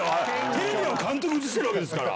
テレビは監督映してるわけですから。